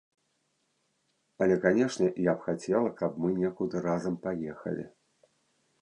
Але, канешне, я б хацела, каб мы некуды разам паехалі.